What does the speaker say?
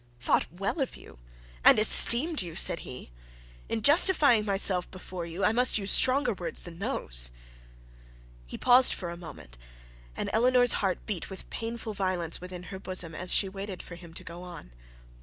'Thought of you well and esteemed you!' said he. 'In justifying myself before you, I must use stronger words than those.' He paused for a moment, and Eleanor's heart beat with painful violence within her bosom as she waited for him to go on.